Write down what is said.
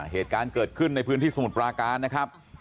เหตุการณ์เกิดขึ้นในพื้นที่สมุทรปราการนะครับ